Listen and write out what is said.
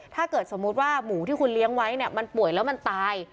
ถ้าเกิดสมมุติว่าหมูที่คุณเลี้ยงไว้เนี่ยมันป่วยแล้วมันตาย